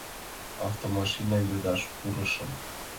Автомашинам йодаш пурышым.